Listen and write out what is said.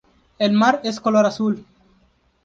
El mar es color azul.